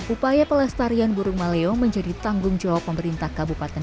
upaya pelestarian burung maleo menjadi tanggung jawab pemerintah kabupaten